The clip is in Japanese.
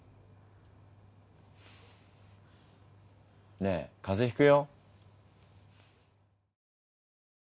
ねえ風邪ひくよ。